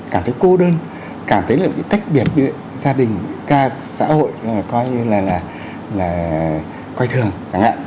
cảm thấy cô đơn cảm thấy là bị tách biệt gia đình xã hội coi như là coi thường chẳng hạn